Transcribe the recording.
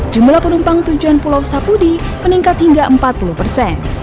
jumlah penumpang tujuan pulau sapudi meningkat hingga empat puluh persen